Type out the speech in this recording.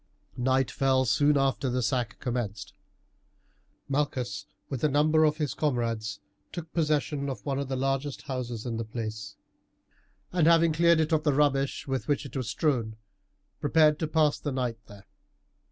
Night fell soon after the sack commenced. Malchus with a number of his comrades took possession of one of the largest houses in the place, and, having cleared it of the rubbish with which it was strewn, prepared to pass the night there.